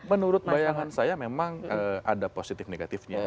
menurut bayangan saya memang ada positif negatifnya